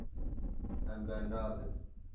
Em bernadin.